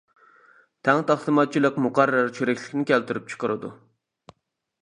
تەڭ تەقسىماتچىلىق مۇقەررەر چىرىكلىكنى كەلتۈرۈپ چىقىرىدۇ.